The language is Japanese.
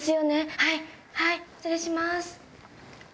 はいはい失礼します。